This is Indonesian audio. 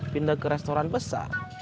pindah ke restoran besar